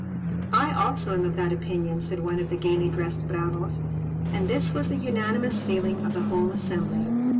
"I also am of that opinion," said one of the gaily dressed Bravos; and this was the unanimous feeling of the whole assembly.